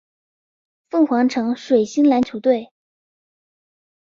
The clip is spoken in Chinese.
凤凰城水星篮球队。